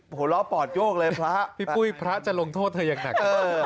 หัวล้อปอดโยกเลยพระพี่ปุ้ยพระจะลงโทษเธออย่างหนัก